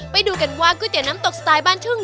ไปดูกันว่าก๋วยเตี๋น้ำตกสไตล์บ้านทุ่ง